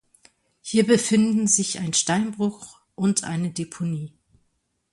Hier befinden sich ein Steinbruch und eine Deponie.